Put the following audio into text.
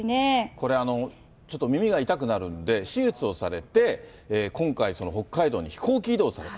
これ、ちょっと耳が痛くなるんで、手術をされて、今回、北海道に飛行機移動された。